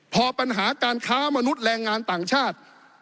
พอปัญหาการค้ามนุษย์แรงงานต่างชาติ